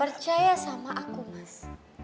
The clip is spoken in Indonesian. percaya sama aku mas